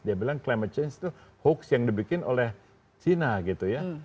dia bilang climate change itu hoax yang dibikin oleh china gitu ya